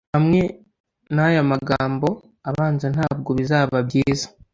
Hamwe naya magambo abanzantabwo bizaba byiza